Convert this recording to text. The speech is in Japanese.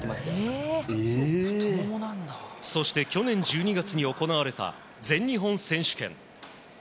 そして、去年１２月に行われた全日本選手権。